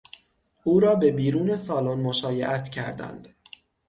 او را به بیرون سالن مشایعت کردند